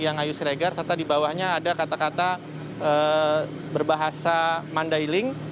yang ayu siregar serta di bawahnya ada kata kata berbahasa mandailing